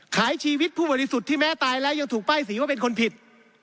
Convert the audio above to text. ชีวิตผู้บริสุทธิ์ที่แม้ตายแล้วยังถูกป้ายสีว่าเป็นคนผิด